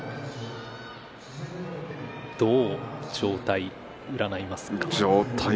どのように状態を占いますか。